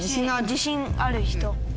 自信ある人？